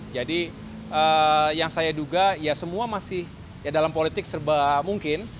jadi yang saya duga ya semua masih dalam politik serba mungkin